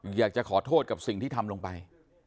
อยากจะขอโทษกับสิ่งที่ทำลงไป